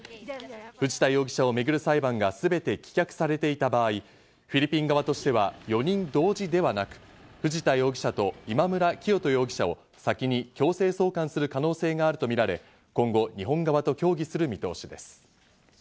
藤田容疑者をめぐる裁判がすべて棄却されていた場合、フィリピン側としては、４人同時ではなく、藤田容疑者と今村磨人容疑者を先に強制送還する可能性があるとみられ、今後、日本側と協議する見通しです。